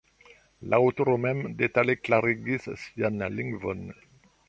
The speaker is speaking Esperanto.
La aŭtoro mem detale klarigis sian lingvon.